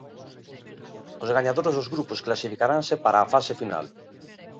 Os gañadores dos grupos clasificaranse para a fase final.